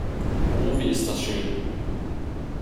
Oh, wie ist das schön!